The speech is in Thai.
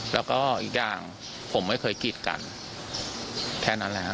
แล้วก็อีกอย่างผมไม่เคยกีดกันแค่นั้นแล้ว